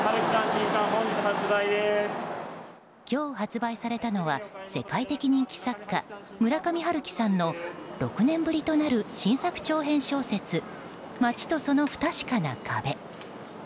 今日発売されたのは世界的人気作家６年ぶりとなる新作長編小説「街とその不確かな壁」。